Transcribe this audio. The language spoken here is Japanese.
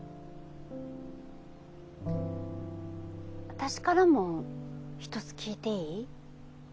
私からも１つ聞いていい？